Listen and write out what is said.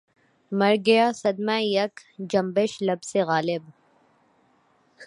مر گیا صدمۂ یک جنبش لب سے غالبؔ